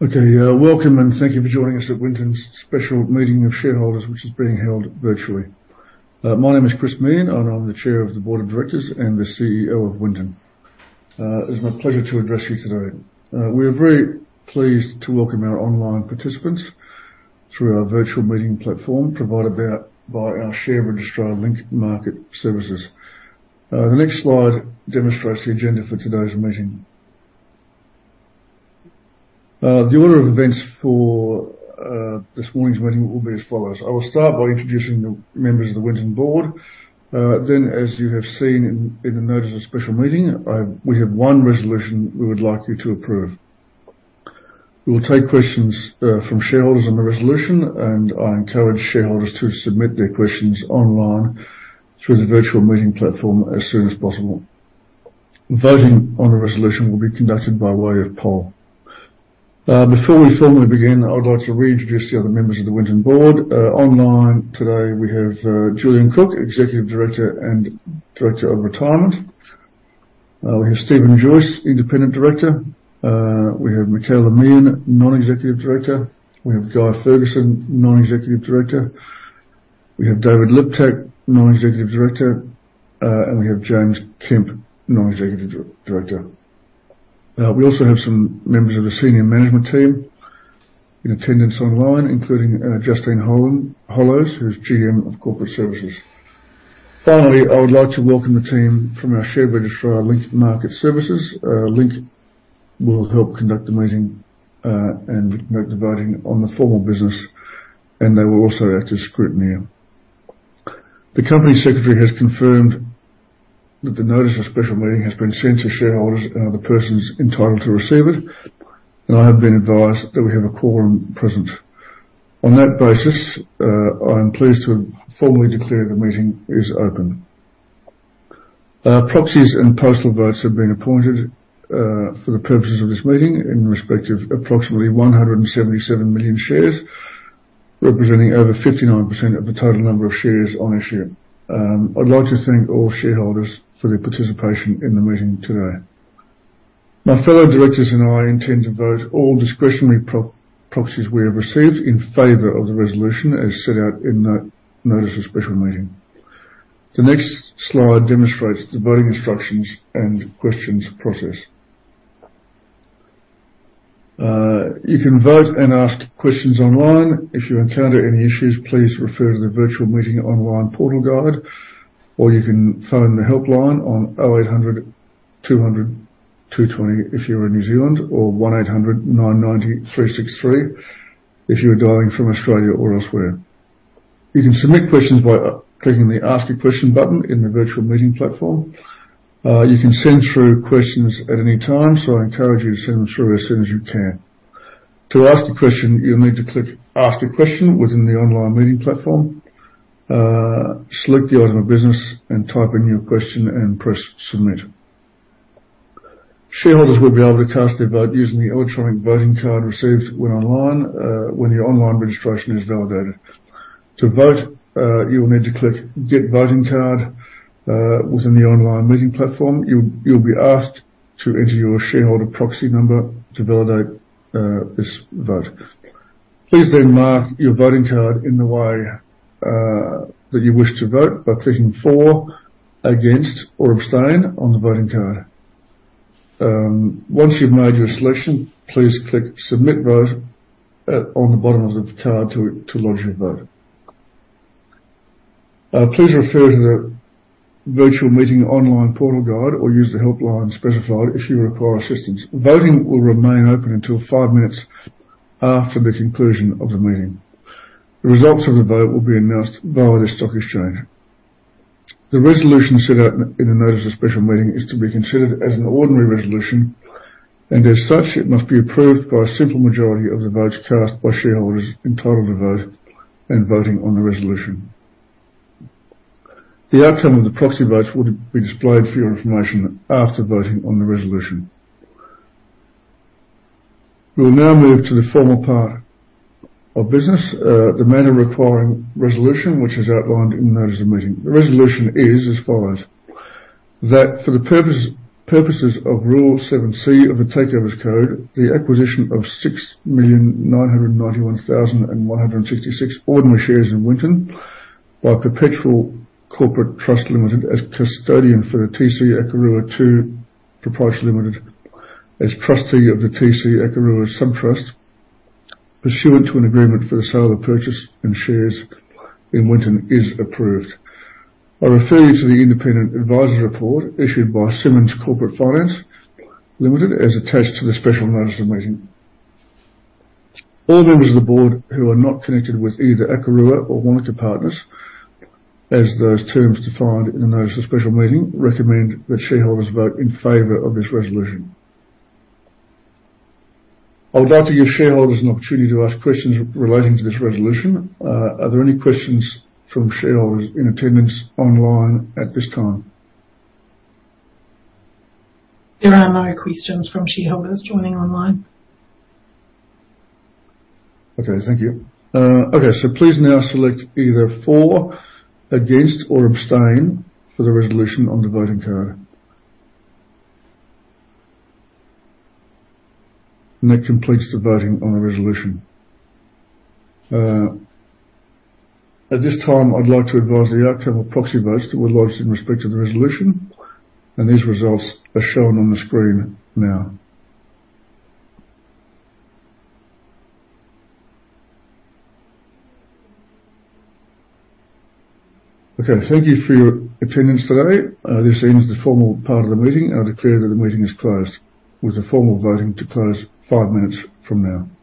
Okay. Welcome and thank you for joining us at Winton's special meeting of shareholders, which is being held virtually. My name is Chris Meehan, and I'm the Chair of the Board of Directors and the CEO of Winton. It is my pleasure to address you today. We are very pleased to welcome our online participants through our virtual meeting platform provided by our share registrar, Link Market Services. The next slide demonstrates the agenda for today's meeting. The order of events for this morning's meeting will be as follows. I will start by introducing the members of the Winton board. As you have seen in the notice of special meeting, we have one resolution we would like you to approve. We will take questions from shareholders on the resolution, and I encourage shareholders to submit their questions online through the virtual meeting platform as soon as possible. Voting on the resolution will be conducted by way of poll. Before we formally begin, I would like to reintroduce the other members of the Winton board. Online today, we have Julian Cook, Executive Director and Director of Retirement. We have Steven Joyce, Independent Director. We have Michaela Meehan, Non-Executive Director. We have Guy Fergusson, Non-Executive Director. We have David Liptak, Non-Executive Director, and we have James Kemp, Non-Executive Director. We also have some members of the senior management team in attendance online, including Justine Hollows, who's GM of Corporate Services. Finally, I would like to welcome the team from our share registrar, Link Market Services. Link will help conduct the meeting and note the voting on the formal business, and they will also act as scrutineer. The company secretary has confirmed that the notice of special meeting has been sent to shareholders and other persons entitled to receive it, and I have been advised that we have a quorum present. On that basis, I am pleased to formally declare the meeting is open. Proxies and postal votes have been appointed for the purposes of this meeting in respect of approximately 177 million shares, representing over 59% of the total number of shares on issue. I'd like to thank all shareholders for their participation in the meeting today. My fellow directors and I intend to vote all discretionary proxies we have received in favor of the resolution as set out in the notice of special meeting. The next slide demonstrates the voting instructions and questions process. You can vote and ask questions online. If you encounter any issues, please refer to the virtual meeting online portal guide, or you can phone the helpline on 0800 200 220 if you're in New Zealand or 1800 990 363 if you are dialing from Australia or elsewhere. You can submit questions by clicking the Ask a Question button in the virtual meeting platform. You can send through questions at any time, so I encourage you to send them through as soon as you can. To ask a question, you'll need to click Ask a Question within the online meeting platform. Select the item of business and type in your question and press Submit. Shareholders will be able to cast their vote using the electronic voting card received when your online registration is validated. To vote, you will need to click Get Voting Card within the online meeting platform. You'll be asked to enter your shareholder proxy number to validate this vote. Please mark your voting card in the way that you wish to vote by clicking For, Against, or Abstain on the voting card. Once you've made your selection, please click Submit Vote on the bottom of the card to lodge your vote. Please refer to the virtual meeting online portal guide or use the helpline specified if you require assistance. Voting will remain open until five minutes after the conclusion of the meeting. The results of the vote will be announced via the stock exchange. The resolution set out in the notice of special meeting is to be considered as an ordinary resolution, and as such, it must be approved by a simple majority of the votes cast by shareholders entitled to vote and voting on the resolution. The outcome of the proxy votes will be displayed for your information after voting on the resolution. We will now move to the formal part of business, the matter requiring resolution, which is outlined in the notice of meeting. The resolution is as follows. That for the purposes of Rule 7(c) of the Takeovers Code, the acquisition of 6,991,166 ordinary shares in Winton by Perpetual Corporate Trust Limited as custodian for the TC Akarua 2 Proprietary Limited, as trustee of the TC Akarua Sub Trust, pursuant to an agreement for the sale or purchase and shares in Winton is approved. I refer you to the independent advisor report issued by Simmons Corporate Finance Limited as attached to the special notice of meeting. All members of the board who are not connected with either Akarua or Wanaka Partners, as those terms defined in the notice of special meeting, recommend that shareholders vote in favor of this resolution. I would like to give shareholders an opportunity to ask questions relating to this resolution. Are there any questions from shareholders in attendance online at this time? There are no questions from shareholders joining online. Okay, thank you. Okay, please now select either For, Against, or Abstain for the resolution on the voting card. That completes the voting on the resolution. At this time, I'd like to advise the outcome of proxy votes that were lodged in respect to the resolution, and these results are shown on the screen now. Okay, thank you for your attendance today. This ends the formal part of the meeting. I declare that the meeting is closed, with the formal voting to close five minutes from now. Thank you